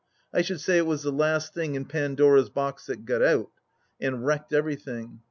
I should say it was the last thing in Pandora's box that got out, and wrecked everything.